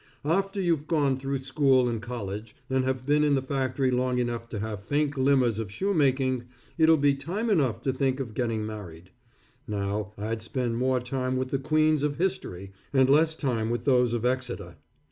After you've gone through school and college, and have been in the factory long enough to have faint glimmers of shoemaking, it'll be time enough to think of getting married. Now, I'd spend more time with the queens of history and less time with those of Exeter.